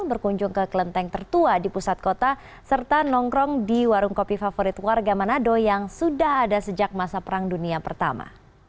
berkunjung ke kelenteng tertua di pusat kota serta nongkrong di warung kopi favorit warga manado yang sudah ada sejak masa perang dunia pertama